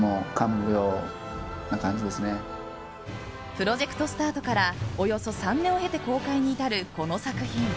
プロジェクトスタートからおよそ３年を経て公開に至るこの作品。